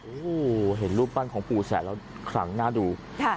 โอ้โหเห็นรูปปั้นของปู่แสนแล้วขลังหน้าดู